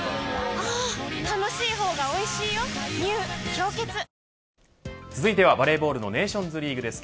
「氷結」続いたバレーボールのネーションズリーグです。